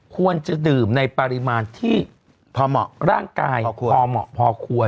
ควรจะดื่มในปริมาณที่พอเหมาะร่างกายพอเหมาะพอควร